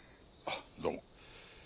あっどうも。